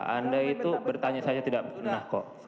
anda itu bertanya saja tidak pernah kok